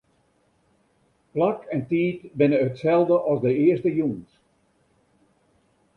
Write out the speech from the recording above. Plak en tiid binne itselde as de earste jûns.